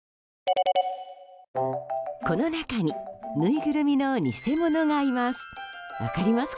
この中にぬいぐるみの偽者がいます。